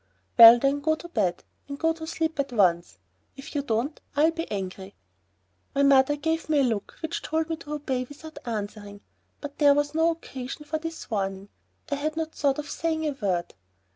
"Well then, go to bed and go to sleep at once. If you don't I'll be angry." My mother gave me a look which told me to obey without answering. But there was no occasion for this warning. I had not thought of saying a word.